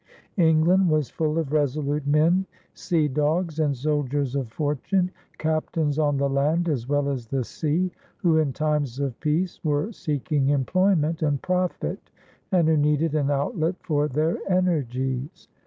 England was full of resolute men, sea dogs and soldiers of fortune, captains on the land as well as the sea, who in times of peace were seeking employment and profit and who needed an outlet for their energies.